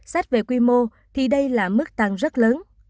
xét về quy mô thì đây là mức tăng rất lớn